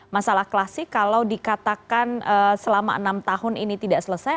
masalah klasik kalau dikatakan selama enam tahun ini tidak selesai